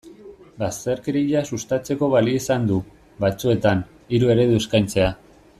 Bazterkeria sustatzeko balio izan du, batzuetan, hiru eredu eskaintzea.